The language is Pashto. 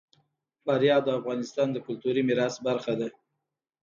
فاریاب د افغانستان د کلتوري میراث برخه ده.